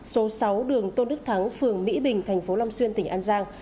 số sáu đường tôn đức thắng phường mỹ bình thành phố long xuyên tỉnh an giang